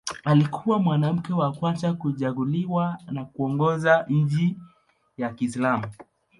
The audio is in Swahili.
Alikuwa mwanamke wa kwanza kuchaguliwa na kuongoza nchi ya Kiislamu.